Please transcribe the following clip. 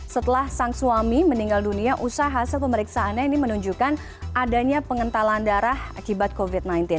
setelah sang suami meninggal dunia usaha hasil pemeriksaannya ini menunjukkan adanya pengentalan darah akibat covid sembilan belas